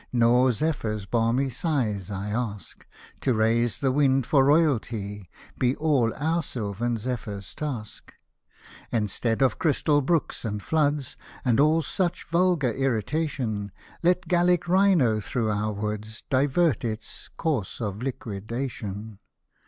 Nor zephyrs balmy sighs I ask ; To raise the wind for Royalty Be all our Sylvan zephyr's task ! And, 'stead of crystal brooks and iioods, And all such vulgar irrigation, Let Gallic rhino through our Woods Divert its " course of liquid ation."